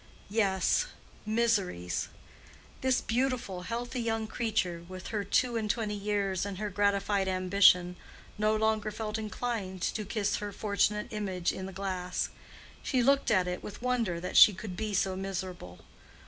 Yes—miseries. This beautiful, healthy young creature, with her two and twenty years and her gratified ambition, no longer felt inclined to kiss her fortunate image in the glass. She looked at it with wonder that she could be so miserable.